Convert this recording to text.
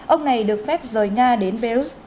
ông này được phép rời nga đến verus